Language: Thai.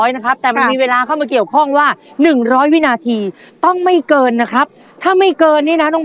ยังต้องอีกนิดนึงอย่าอออย่ายังอย่าอออย่ายัง